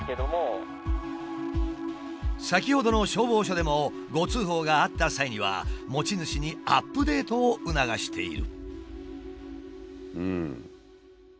先ほどの消防署でも誤通報があった際には持ち主にアップデートを促している。